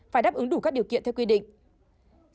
phải đáp ứng đủ các điều kiện theo quy định